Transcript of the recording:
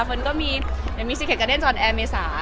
เฟิร์นก็มีมิสิเกษกระเด้นจอนแอร์เมษา